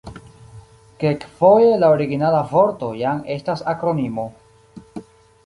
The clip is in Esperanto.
Kelkfoje la originala vorto jam estas akronimo.